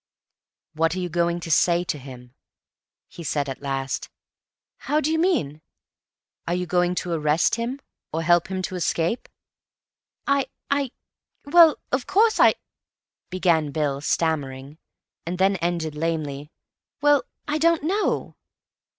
"What are you going to say to him?" he said at last. "How do you mean?" "Are you going to arrest him, or help him to escape?" "I—I—well, of course, I—" began Bill, stammering, and then ended lamely, "Well, I don't know."